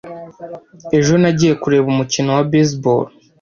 Ejo nagiye kureba umukino wa baseball.